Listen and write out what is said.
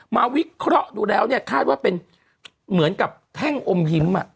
วิเคราะห์ดูแล้วเนี่ยคาดว่าเป็นเหมือนกับแท่งอมยิ้ม